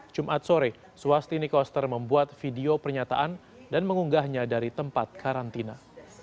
jumat sore swastini koster membuat video pernyataan dan mengunggahnya dari tempat karantina